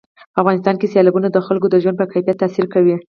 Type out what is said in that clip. په افغانستان کې سیلابونه د خلکو د ژوند په کیفیت تاثیر کوي.